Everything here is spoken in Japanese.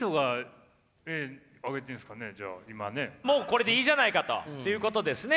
もうこれでいいじゃないかということですね。